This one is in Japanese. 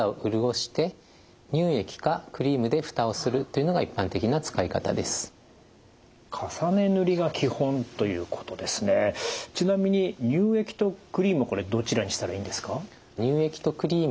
ちなみに乳液とクリームはこれどちらにしたらいいんですか？